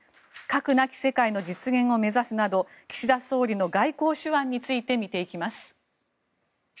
核なき世界の実現を目指すなど岸田総理の外交手腕について見ていきます。